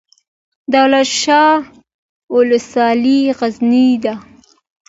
دولت شاه ولسوالۍ غرنۍ ده؟